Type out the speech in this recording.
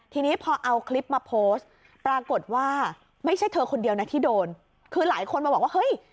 ทีนี้พอเอาคลิปมาโพสต์ปรากฏว่าไม่ใช่เธอคนเดียวนะที่โดนคือหลายคนมาบอกว่าเฮ้ย